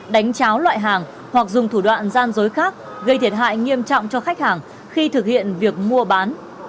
đánh cháo loại hàng hoặc dùng thủ đoạn gian dối khác gây thiệt hại nghiêm trọng cho khách hàng khi thực hiện việc mua bán